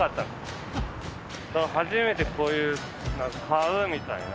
だから初めてこういう買うみたいな。